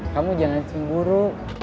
kamu jangan cemburu